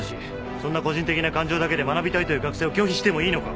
そんな個人的な感情だけで学びたいという学生を拒否してもいいのか！？